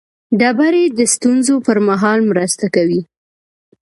ډبرې د ستونزو پر مهال مرسته کوي.